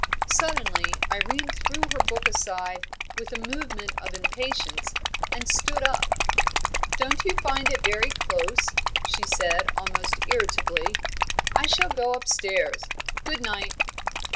Suddenly, Irene threw her book aside, with a movement of impatience, and stood up. "Don't you find it very close?" she said, almost irritably. "I shall go upstairs. Good night!"